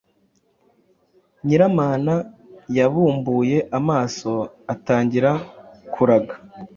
Nyiramana yabumbuye amaso atangira kuraga